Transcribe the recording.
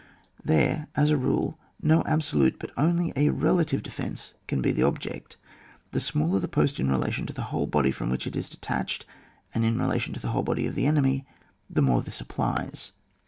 There, as a rule, no absolute but only a relative de fence can be the object. The smaller the post in relation to the whole body from which it is detached and in relation to the whole body of the enemy, the more this applies.